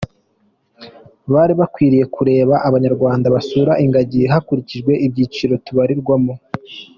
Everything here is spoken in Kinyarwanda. Bari bakwiriye kureka abanyarwanda basura ingagi hakurikijwe ibyiciro tubarirwamo.